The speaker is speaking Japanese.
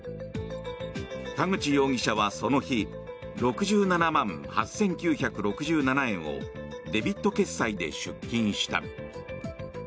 田口容疑者はその日６７万８９６７円をデビット決済で出金した。